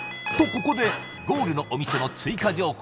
ここでゴールのお店の追加情報